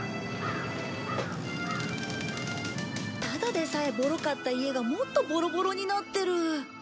ただでさえボロかった家がもっとボロボロになってる。